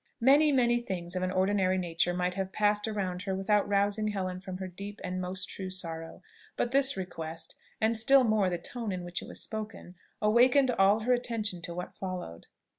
Many, many things of an ordinary nature might have passed around her without rousing Helen from her deep and most true sorrow; but this request, and still more the tone in which it was spoken, awakened all her attention to what followed.